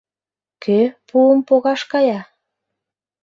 Кӧ пуым погаш кая?